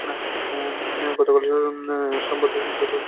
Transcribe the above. গতকাল সোমবার দুপুরে চন্দনবাড়ি এলাকার পারিবারিক কবরস্থান থেকে লাশটি তোলা হয়।